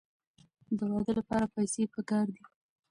د واده لپاره پیسې پکار دي.